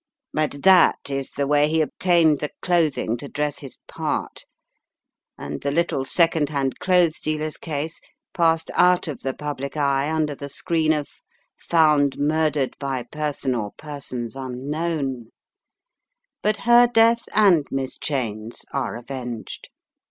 But that is the way Untwisting the Threads 281 he ebtained the clothing to dress his part, and the little second hand clothes dealer's case passed out of the public eye under the screen of 'found murdered by person or persons unknown/ But her death and Miss Cheyne's are avenged.